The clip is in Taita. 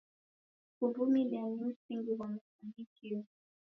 Kuvumilia ni msingi ghwa mafanikio.